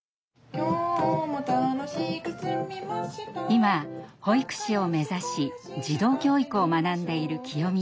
今保育士を目指し児童教育を学んでいるきよみさん。